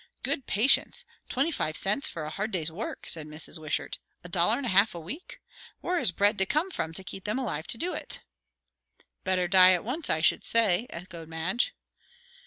"Good patience! Twenty five cents for a hard day's work!" said Mrs. Wishart. "A dollar and a half a week! Where is bread to come from, to keep them alive to do it?" "Better die at once, I should say," echoed Madge.